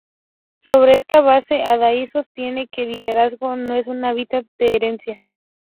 Sobre esta base, Adair sostiene que el liderazgo no es una habilidad heredada.